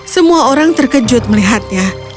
semua orang terkejut melihatnya